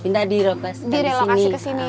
pindah di lokasi di sini